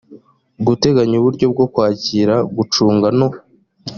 guteganya uburyo bwo kwakira gucunga no